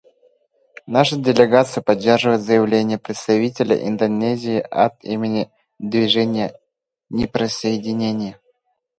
Наша делегация поддерживает заявление представителя Индонезии от имени Движения неприсоединения.